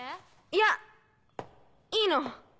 ・いやいいの。